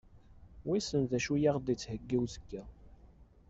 Wissen d acu i aɣ-d-yettheggi uzekka?